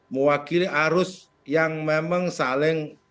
mewakili arus yang memang saling